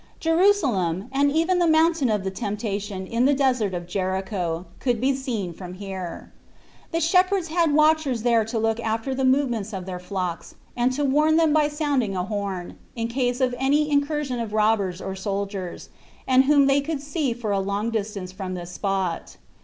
Jerusalem, and even the Mountain of the Temptation in the Desert of Jericho could be seen from here. The shepherds had watchers there to look after the movements of their flocks, and to warn them by sounding a horn, in case of an incursion of robbers or soldiers, and whom they could see for a long distance from this spot.